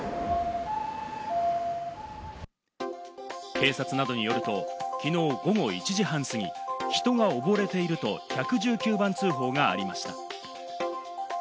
警察などによると、きのう午後１時半過ぎ、人が溺れていると１１９番通報がありました。